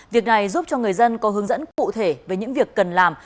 việc này giúp cho người dân có hướng dẫn cụ thể về những việc cần làm